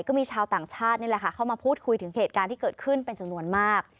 ก็มีชาวต่างชาตินี่แหละค่ะเข้ามาพูดคุยถึงเหตุการณ์ที่เกิดขึ้นเป็นจำนวนมาก